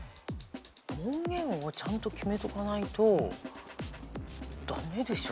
門限をちゃんと決めとかないと駄目でしょ。